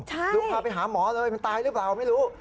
ลุงพาไปหาหมอเลยมันตายหรือเปล่าไม่รู้